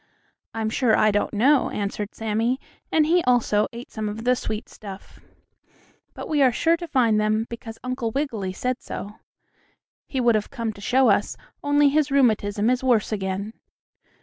"I'm sure I don't know," answered Sammie, and he, also, ate some of the sweet stuff. "But we are sure to find them, because Uncle Wiggily said so. He would have come to show us, only his rheumatism is worse again."